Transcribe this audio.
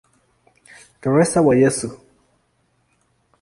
Teresa wa Yesu".